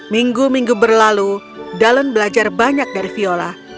minggu minggu berlalu dallon belajar banyak dari viola